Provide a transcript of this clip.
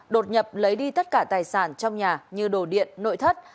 đột nhập lấy đi tất cả tài sản trong nhà như đồ điện nội thất